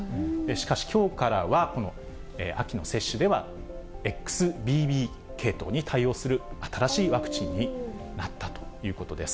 しかし、きょうからは、この秋の接種ではＸＢＢ．系統に対応する新しいワクチンになったということです。